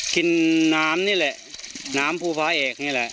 กินน้ำนี่แหละน้ำภูพระเอกนี่แหละ